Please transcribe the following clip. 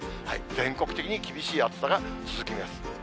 全国的に厳しい暑さが続きます。